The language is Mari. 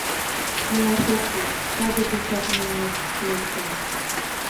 Илаш ок лий, саде гычак мыят лектым.